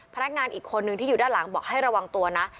พนักงานอีกคนนึงที่อยู่ด้านหลังบอกให้ระวังตัวนะ